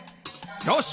よし！